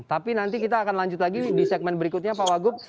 tapi nanti kita akan lanjut lagi di segmen berikutnya pak wagub